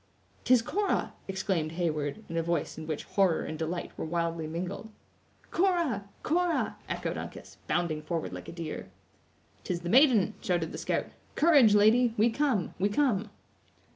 "'Tis Cora!" exclaimed Heyward, in a voice in which horror and delight were wildly mingled. "Cora! Cora!" echoed Uncas, bounding forward like a deer. "'Tis the maiden!" shouted the scout. "Courage, lady; we come! we come!"